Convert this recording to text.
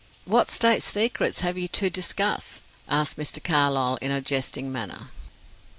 "What state secrets have you to discuss?" asked Mr. Carlyle in a jesting manner.